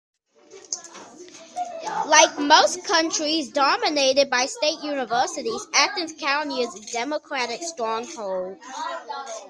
Like most counties dominated by state universities, Athens County is a Democratic stronghold.